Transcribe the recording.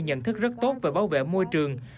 nhận thức rất tốt về bảo vệ môi trường